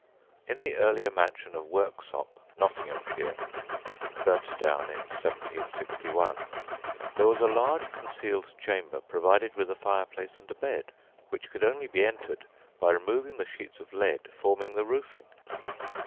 In the earlier mansion of Worksop, Nottinghamshire (burnt down in 1761), there was a large concealed chamber provided with a fireplace and a bed, which could only be entered by removing the sheets of lead forming the roofing.